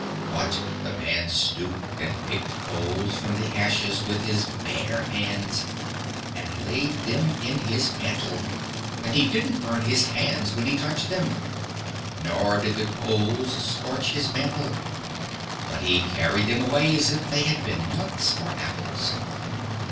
"But the man stooped and picked coals from the ashes with his bare hands, and laid them in his mantle. And he didn't burn his hands when he touched them, nor did the coals scorch his mantle; but he carried them away as if they had been nuts or apples."